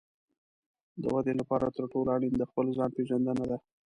د ودې لپاره تر ټولو اړین د خپل ځان پېژندنه ده.